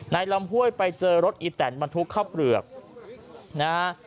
ลำห้วยไปเจอรถอีแตนบรรทุกข้าวเปลือกนะฮะ